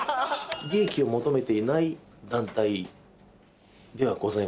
利益を求めていない団体ではございません。